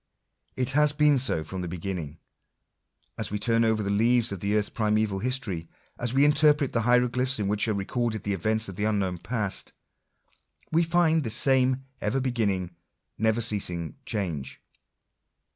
It has been so from the beginning. As we turn over the leaves of the earth's primeval history — as we interpret the hieroglyphics in which are recorded the events of the unknown past, we find this same ever beginning, never ceasing change.